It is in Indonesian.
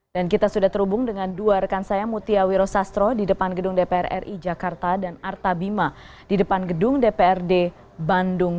dan kita sudah terhubung dengan dua rekan saya mutia wiro sastro di depan gedung dpr ri jakarta dan arta bima di depan gedung dprd bandung